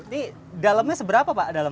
ini dalamnya seberapa pak